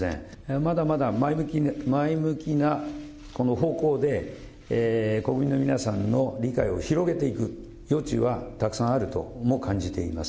まだまだ前向きなこの方向で国民の皆さんの理解を広げていく余地はたくさんあるとも感じています。